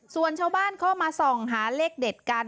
ส่วนชาวบ้านเข้ามาส่องหาเลขเด็ดกัน